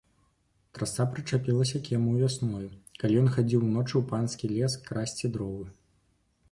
Трасца прычапілася к яму вясною, калі ён хадзіў уночы ў панскі лес красці дровы.